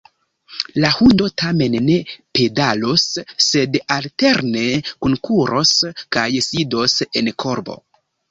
La hundo tamen ne pedalos, sed alterne kunkuros kaj sidos en korbo.